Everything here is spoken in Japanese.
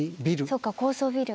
そっか高層ビル。